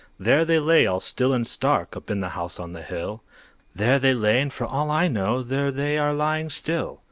There they lay, all still and stark, Up in the house on the hill; There they lay, and, for all I know, There they are lying still.